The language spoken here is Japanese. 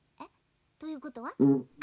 ということは？